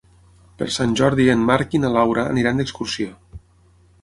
Per Sant Jordi en Marc i na Laura aniran d'excursió.